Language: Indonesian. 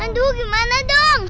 aduh bagaimana dong